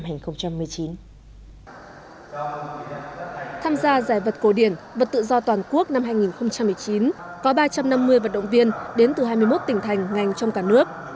tham gia giải vật cổ điển vật tự do toàn quốc năm hai nghìn một mươi chín có ba trăm năm mươi vận động viên đến từ hai mươi một tỉnh thành ngành trong cả nước